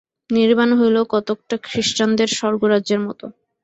নির্বাণ হইল কতকটা খ্রীষ্টানদের স্বর্গরাজ্যের মত।